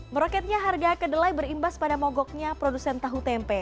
meroketnya harga kedelai berimbas pada mogoknya produsen tahu tempe